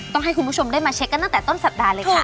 ต้องให้คุณผู้ชมได้มาเช็คกันตั้งแต่ต้นสัปดาห์เลยค่ะ